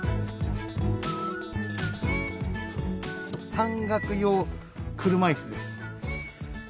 山岳用車いすです。